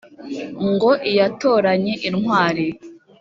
Ngo iyatoranye intwari